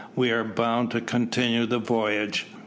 We are bound to continue the voyage."